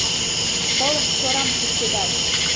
Пылышчорам кушкедат.